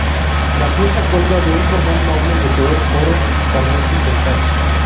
La pieza cuelga de un cordón doble de color oro y carmesí trenzado.